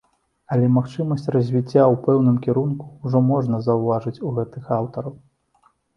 Але магчымасць развіцця ў пэўным кірунку ўжо можна заўважыць у гэтых аўтараў.